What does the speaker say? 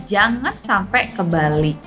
jangan sampai kebalik